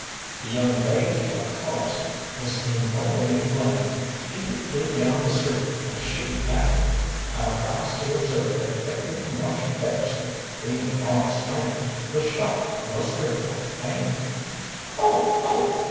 The young lady, of co'se, was in no way to blame if it flew down the street and she after it. I rise to observe that Deputy Marshal Pedersen, being a modest man, was shocked most dreadful, and " "Oh! Oh!"